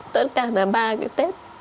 tất cả là ba cái tết